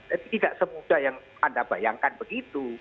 tapi tidak semudah yang anda bayangkan begitu